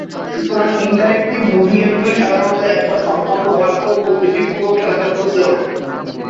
সুতরাং, interactive movie গেমগুলি সাধারণত একবার সম্পন্ন হওয়ার পর খুব বেশি পুনঃখেলাযোগ্য ছিল না।